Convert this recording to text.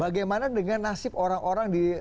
bagaimana dengan nasib orang orang di